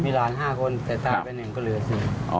มีหลาน๕คนแต่ตายไปหนึ่งก็เหลือ๔